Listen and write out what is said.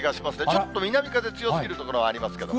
ちょっと南風強すぎるところありますけどね。